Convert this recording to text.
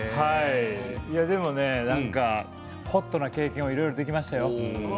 でも何かホットな経験がいろいろできましたよ。